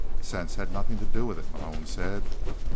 "Sense had nothing to do with it," Malone said.